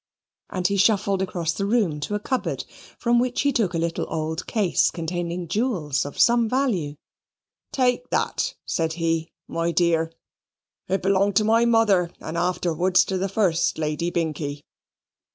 And he shuffled across the room to a cupboard, from which he took a little old case containing jewels of some value. "Take that," said he, "my dear; it belonged to my mother, and afterwards to the first Lady Binkie.